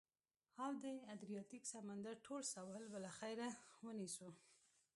او د ادریاتیک سمندر ټول سواحل به له خیره، ونیسو.